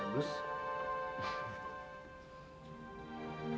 gak bagus rasanya